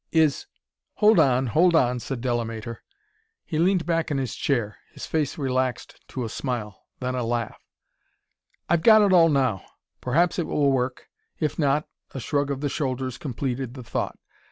Is " "Hold on, hold on!" said Delamater. He leaned back in his chair; his face relaxed to a smile, then a laugh. "I've got it all now. Perhaps it will work. If not " A shrug of the shoulders completed the thought.